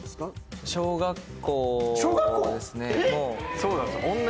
そうなんですよ。